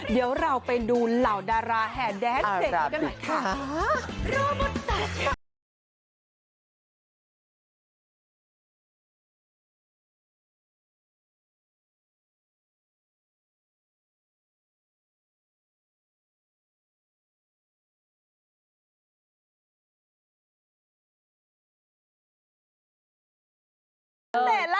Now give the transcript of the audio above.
เดี๋ยวเราไปดูเหล่าดาราแห่ดแดนส์เสร็จกันใหม่ค่ะ